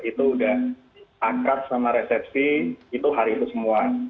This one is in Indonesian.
itu sudah akar sama resepsi itu hari itu semua